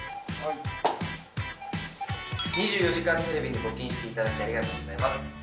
『２４時間テレビ』に募金していただきありがとうございます。